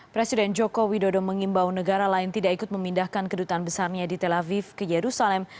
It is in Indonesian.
presiden joko widodo mengimbau negara lain tidak ikut memindahkan kedutaan besarnya di tel aviv ke yerusalem